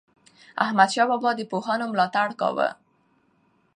احمدشاه بابا د پوهانو ملاتړ کاوه.